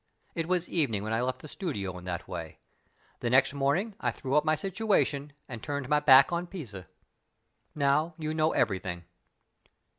It was evening when I left the studio in that way. The next morning I threw up my situation, and turned my back on Pisa. Now you know everything."